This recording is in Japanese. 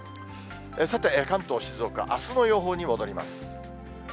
さて、関東、静岡、あすの予報に戻ります。